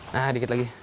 nah dikit lagi